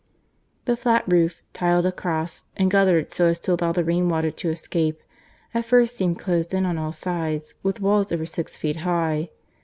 The flat roof, tiled across, and guttered so as to allow the rainwater to escape, at first seemed closed in on all sides with walls over six feet high.